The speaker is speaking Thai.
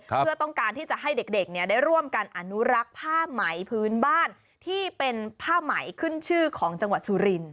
เพื่อต้องการที่จะให้เด็กได้ร่วมกันอนุรักษ์ผ้าไหมพื้นบ้านที่เป็นผ้าไหมขึ้นชื่อของจังหวัดสุริน